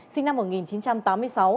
sinh năm một nghìn chín trăm tám mươi sáu